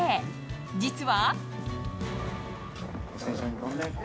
実は。